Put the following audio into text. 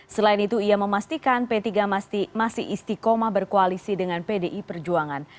selain itu ia memastikan p tiga masih istiqomah berkoalisi dengan pdi perjuangan